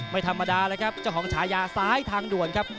ไม่ธรรมดาเลยครับเจ้าของฉายาซ้ายทางด่วนครับ